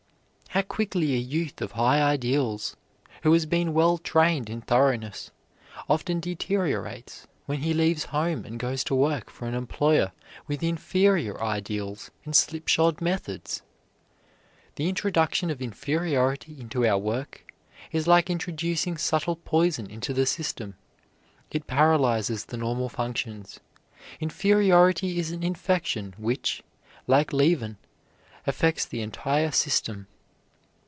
How quickly a youth of high ideals, who has been well trained in thoroughness, often deteriorates when he leaves home and goes to work for an employer with inferior ideals and slipshod methods! The introduction of inferiority into our work is like introducing subtle poison into the system. It paralyzes the normal functions. Inferiority is an infection which, like leaven, affects the entire system.